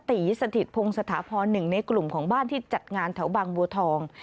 ตีสถิตพงศถาพรหนึ่งในกลุ่มของบ้านที่จัดงานแถวบางบัวทอง